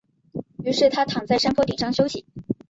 于是他躺在山坡顶上休息。